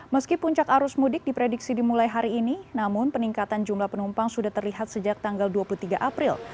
meski puncak arus mudik diprediksi dimulai hari ini namun peningkatan jumlah penumpang sudah terlihat sejak tanggal dua puluh tiga april